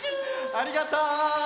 ありがとう！